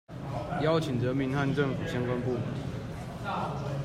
邀請人民和政府相關部門